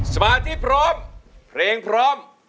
สมาธิพร้อมเพลงพร้อม